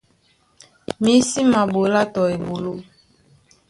Mí sí maɓolá tɔ eɓoló.